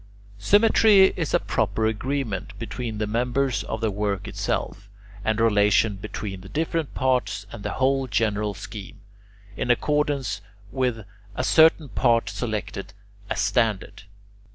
Symmetry is a proper agreement between the members of the work itself, and relation between the different parts and the whole general scheme, in accordance with a certain part selected as standard.